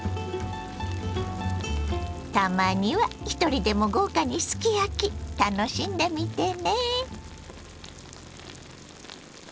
たまにはひとりでも豪華にすき焼き楽しんでみてね！